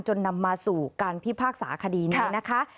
นำมาสู่การพิพากษาคดีนี้นะคะ